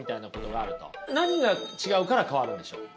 何が違うから変わるんでしょう？